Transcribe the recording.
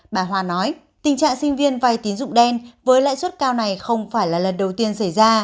bà hòa nói tình trạng sinh viên vay tín dụng đen với lãi suất cao này không phải là lần đầu tiên xảy ra